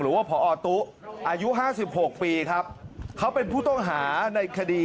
หรือว่าพอตุอายุ๕๖ปีครับเขาเป็นผู้ต้องหาในคดี